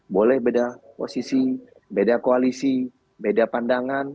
boleh beda posisi beda koalisi beda pandangan